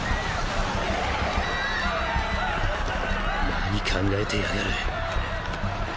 何考えてやがる。